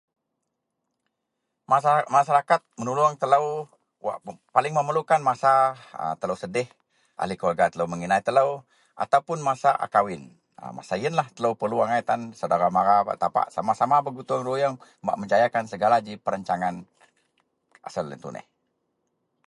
masa masyarakat menulung telou wak paling memerlukan a masa telou sedih, ahli keluarga telou meginai telou, ataupun masa a kawin masa ienlah telou perlu agai tan saudara mara bak tapak sama-sama bak bergutung ruyung bek menjayakan ji segala perancangan asel ien tuneh